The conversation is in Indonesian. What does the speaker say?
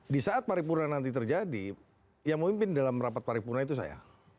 di saat paripurna nanti terjadi yang memimpin dalam rapat paripurna itu saya